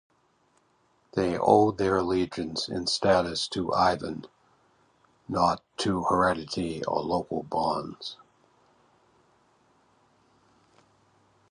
They owed their allegiance and status to Ivan, not to heredity or local bonds.